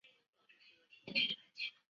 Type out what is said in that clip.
有子孙同珍。